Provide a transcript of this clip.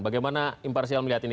bagaimana imparsial melihat ini